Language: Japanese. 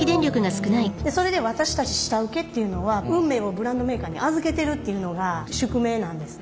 それで私たち下請けっていうのは運命をブランドメーカーに預けてるっていうのが宿命なんですね。